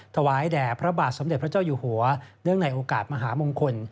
ถวายแด่พระบาทสมเด็จพระเจ้าอยู่หัวเนื่องในโอกาสมหามงคล